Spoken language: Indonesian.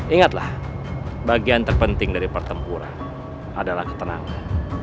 ingatlah bagian terpenting dari pertempuran adalah ketenangan